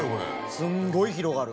すごい広がる。